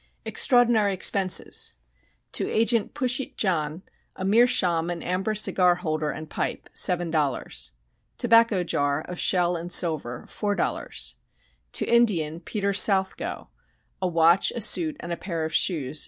EXTRAORDINARY EXPENSES To Agent Pushyt John, a meerschaum and amber cigar holder and pipe ...........$ 7.00 Tobacco jar of shell and silver ...........$ 4.00 To Indian Peter South Go, a watch, a suit, and a pair of shoes